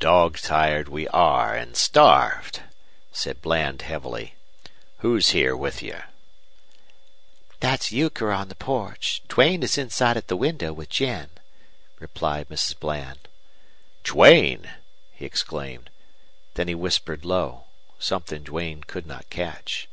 "Dog tired we are and starved," said Bland, heavily. "Who's here with you?" "That's Euchre on the porch. Duane is inside at the window with Jen," replied Mrs. Bland. "Duane!" he exclaimed. Then he whispered low something Duane could not catch.